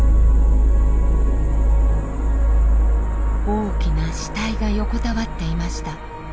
大きな死体が横たわっていました。